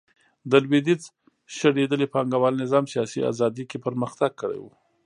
د لوېدیځ شړېدلي پانګوال نظام سیاسي ازادي کې پرمختګ کړی و